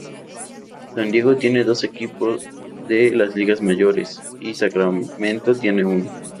San Diego tiene dos equipo de las ligas mayores y Sacramento tiene uno.